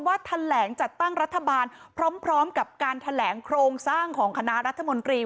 แถลงจัดตั้งรัฐบาลพร้อมกับการแถลงโครงสร้างของคณะรัฐมนตรี